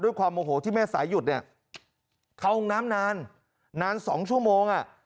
ความโมโหที่แม่สายหยุดเนี่ยเข้าห้องน้ำนานนาน๒ชั่วโมง